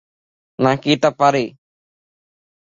নাকি এটা পারে?